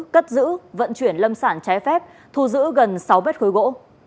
cất giữ vận chuyển lâm sản trái phép thu giữ gần sáu mét khối gỗ